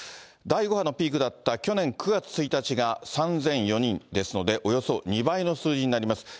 第５波のピークだった去年９月１日が３００４人ですので、およそ２倍の数字になります。